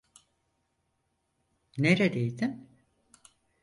Neredeydin?